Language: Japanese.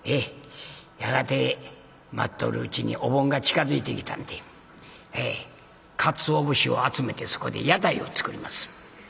やがて待っとるうちにお盆が近づいてきたんでかつお節を集めてそこで屋台を作ります。